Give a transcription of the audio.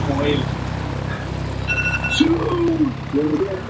La Filosofía para un Estoico es un proceso activo de práctica constante y auto-recuerdo.